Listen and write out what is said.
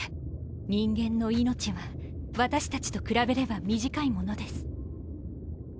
人間の命は私たちと比べれば短いものです。